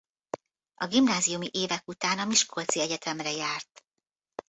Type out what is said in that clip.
A gimnáziumi évek után a Miskolci Egyetemre járt.